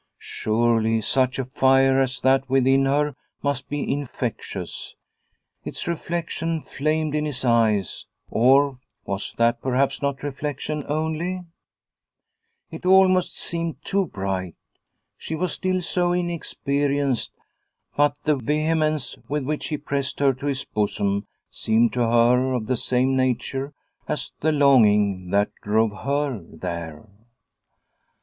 Surely such a fire as that within her must be infectious. Its reflection flamed in his The Rest Stone 249 eyes, or was that perhaps not reflection only ? It almost seemed too bright. She was still so inexperienced, but the vehemence with which he pressed her to his bosom seemed to her of the same nature as the longing that drove her there.